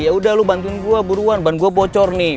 yaudah lu bantuin gua buruan ban gua bocor nih